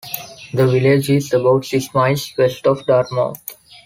The village is about six miles west of Dartmouth.